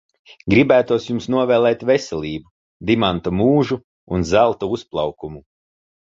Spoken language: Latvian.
Gribētos jums novēlēt veselību, dimanta mūžu un zelta uzplaukumu.